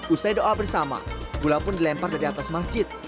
usai doa bersama gula pun dilempar dari atas masjid